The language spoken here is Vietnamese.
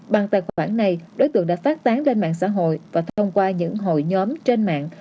bằng tài khoản này đối tượng đã phát tán lên mạng xã hội và thông qua những hội nhóm trên mạng